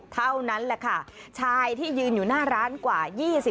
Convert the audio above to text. เท่านั้นแหละค่ะชายที่ยืนอยู่หน้าร้านกว่า๒๐